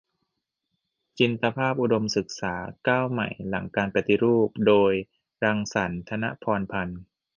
"จินตภาพอุดมศึกษา-ก้าวใหม่หลังการปฏิรูป" โดย รังสรรค์ ธนะพรพันธุ์